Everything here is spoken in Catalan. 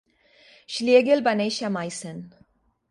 Schlegel va néixer a Meissen.